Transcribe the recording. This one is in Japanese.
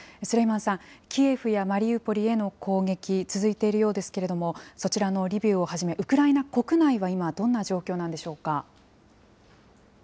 スレイマンさん、キエフやマリウポリへの攻撃続いているようですけれども、そちらのリビウをはじめ、ウクライナ国内は今、どんな状況なんでしょうか。